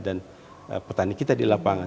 dan petani kita di lapangan